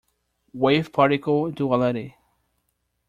Wave-particle duality.